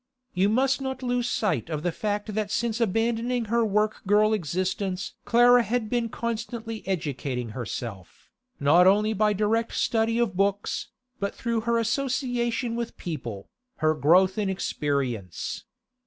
You must not lose sight of the fact that since abandoning her work girl existence Clara had been constantly educating herself, not only by direct study of books, but through her association with people, her growth in experience.